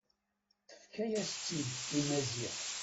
Tefka-yas-tt-id i Maziɣ.